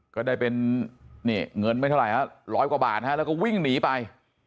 ก็ได้เป็นเงินไม่เท่าไหร่ร้อยกว่าบาทฮะแล้วก็วิ่งหนีไป